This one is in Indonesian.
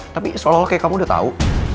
tapi seolah olah kayak kamu udah tahu